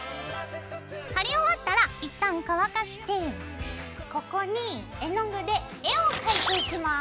貼り終わったらいったん乾かしてここに絵の具で絵を描いていきます！